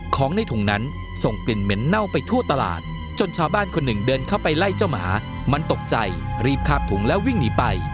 ของในถุงนั้นส่งกลิ่นเหม็นเน่าไปทั่วตลาดจนชาวบ้านคนหนึ่งเดินเข้าไปไล่เจ้าหมามันตกใจรีบคาบถุงแล้ววิ่งหนีไป